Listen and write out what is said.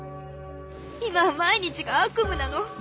今は毎日が悪夢なの。